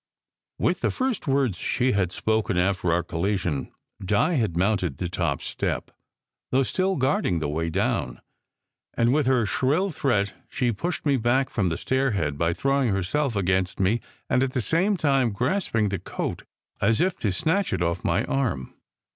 With the first words she had spoken after our collision, Di had mounted the top step, though still guarding the way down; and with her shrill threat she pushed me back 296 SECRET HISTORY from the stairhead by throwing herself against me and at the same time grasping the coat as if to snatch it off my arm.